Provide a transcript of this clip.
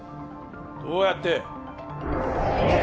どうやって？